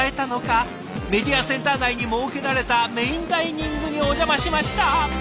メディアセンター内に設けられたメインダイニングにお邪魔しました。